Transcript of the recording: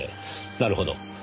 なるほど。